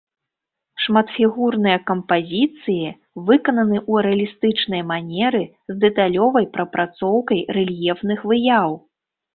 Шматфігурныя кампазіцыі выкананы ў рэалістычнай манеры, з дэталёвай прапрацоўкай рэльефных выяў.